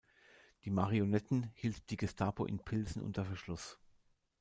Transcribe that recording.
Die Marionetten hielt die Gestapo in Pilsen unter Verschluss.